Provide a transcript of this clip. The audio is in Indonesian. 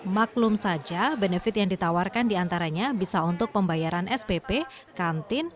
maklum saja benefit yang ditawarkan diantaranya bisa untuk pembayaran spp kantin